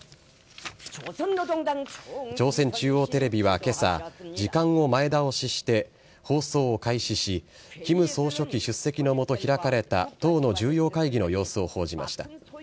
朝鮮中央テレビは今朝時間を前倒しして放送を開始し金総書記出席の下、開かれた党の重要会議の様子を報じました。